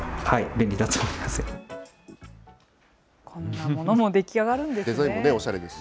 こんなものも出来上がるんですね。